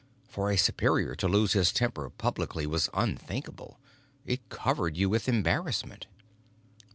For a superior to lose his temper publicly was unthinkable; it covered you with embarrassment.